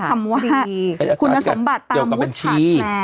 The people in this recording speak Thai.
เป็นอัตราที่เกี่ยวกับบัญชี